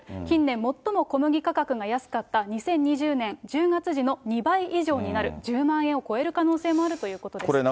近年、最も小麦価格が安かった２０２０年１０月時の２倍以上になる、１０万円を超える可能性もあるということです。